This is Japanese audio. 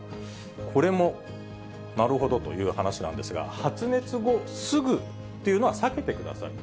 これもなるほどという話なんですが、発熱後すぐっていうのは避けてください。